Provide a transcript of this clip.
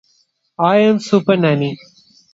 I am Supernanny.